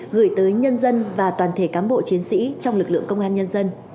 gửi tới nhân dân và toàn thể cán bộ chiến sĩ trong lực lượng công an nhân dân